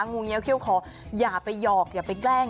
งูเงี้ยเขี้ยวขออย่าไปหยอกอย่าไปแกล้ง